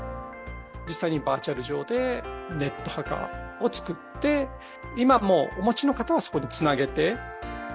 実際にバーチャル上で、ネット墓を作って、今もうお持ちの方はそこにつなげて。